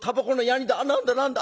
何だ何だ？